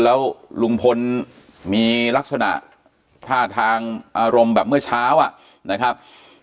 แล้วลุงพลมีลักษณะท่าทางอารมณ์แบบเมื่อเช้าอ่ะนะครับ